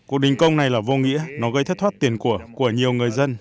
cuộc đình công này là vô nghĩa nó gây thất thoát tiền của nhiều người dân